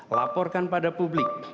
laporkan pada publik